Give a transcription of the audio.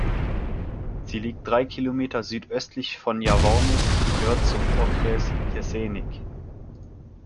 Sie liegt drei Kilometer südöstlich von Javorník und gehört zum Okres Jeseník.